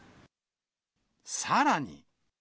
さらに。